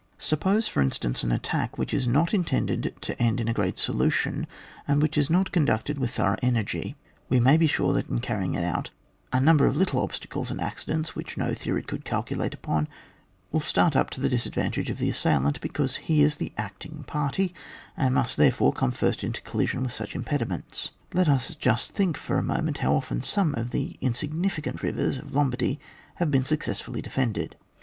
Suppose, for instance, an attack which is not intended to end in a great solution, and which is not conducted with thorough energy, we may be sure that in carrying it out a number of little obstacles and accidents, which no theory could calculate upon, will start up to the disadvantage of the assailant, because he is the acting party, and must, therefore, come first into collision with such impediments. Let us just think for a moment how often some of the insignificant rivers of Lom bardy have been successfully defended